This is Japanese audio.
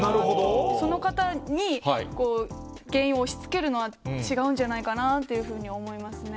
その方に原因を押しつけるのは違うんじゃないかなというふうに思いますね。